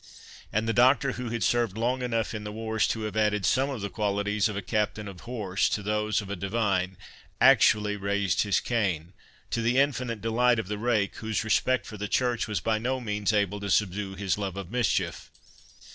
And the Doctor, who had served long enough in the wars to have added some of the qualities of a captain of horse to those of a divine, actually raised his cane, to the infinite delight of the rake, whose respect for the Church was by no means able to subdue his love of mischief.